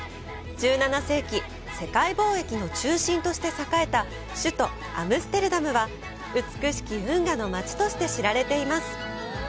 １７世紀、世界貿易の中心として栄えた首都アムステルダムは美しき運河の街として知られています。